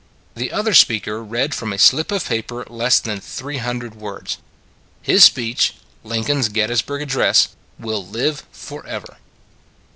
The other speaker read from a slip of paper less than 300 words. His speech Lincoln s Gettysburg Address will live forever.